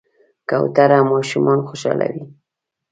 کوتره ماشومان خوشحالوي.